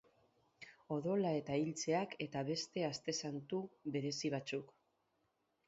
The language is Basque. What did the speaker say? Odola eta iltzeak, eta beste aste santu berezi batzuk.